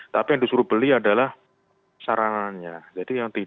tapi yang disuruh beli adalah sarananya